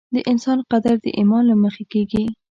د انسان قدر د ایمان له مخې کېږي.